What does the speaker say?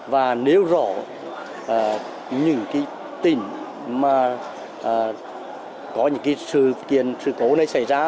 và nếu rõ những cái tình mà có những cái sự kiện sự cố này xảy ra